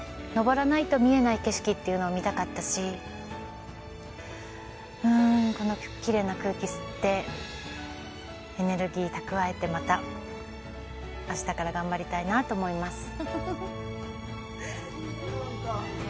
登らないと見えない景色というのを見たかったしうん、このきれいな空気を吸ってエネルギーを蓄えて、またあしたから頑張りたいなと思います。